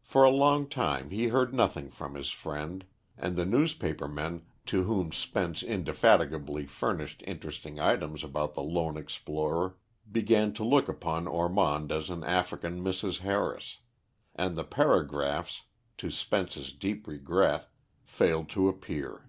For a long time he heard nothing from his friend, and the newspaper men to whom Spence indefatigably furnished interesting items about the lone explorer, began to look upon Ormond as an African Mrs. Harris, and the paragraphs, to Spence's deep regret, failed to appear.